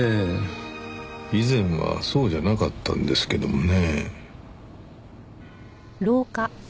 以前はそうじゃなかったんですけどもね。